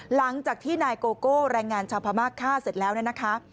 หลังจากที่นายโกโก้แรงงานชาวพม่าฆ่าเสร็จแล้วเนี่ยนะคะ